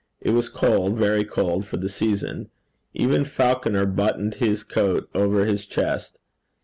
It was cold, very cold for the season. Even Falconer buttoned his coat over his chest.